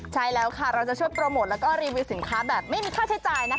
ใช่แล้วค่ะเราจะช่วยโปรโมทแล้วก็รีวิวสินค้าแบบไม่มีค่าใช้จ่ายนะคะ